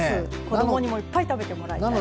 子どもにもいっぱい食べてもらいたい。